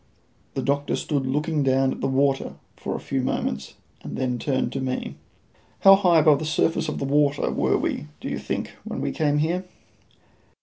The doctor stood looking down at the water for a few moments, and then turned to me. "How high above the surface of the water were we, do you think, when we came here?"